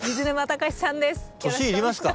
年いりますか？